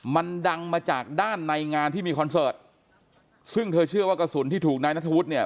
มันดังมาจากด้านในงานที่มีคอนเสิร์ตซึ่งเธอเชื่อว่ากระสุนที่ถูกนายนัทธวุฒิเนี่ย